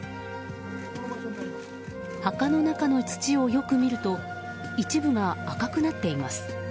墓の中の土をよく見ると一部が赤くなっています。